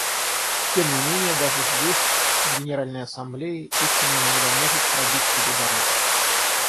Тем не менее даже здесь, в Генеральной Ассамблее, истина иногда может пробить себе дорогу.